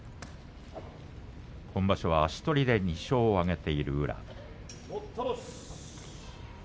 今場所は足取りで２勝を挙げている宇良。